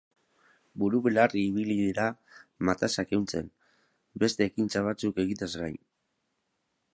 Buru belarri ibili dira matazak ehuntzen, beste ekintza batzuk egiteaz gain.